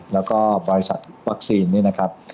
แล้วก็บริษัทวัคซีนนี่นะครับ